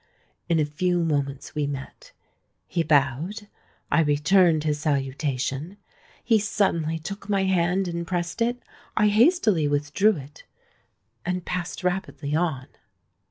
In a few moments we met: he bowed—I returned his salutation;—he suddenly took my hand, and pressed it—I hastily withdrew it—and passed rapidly on."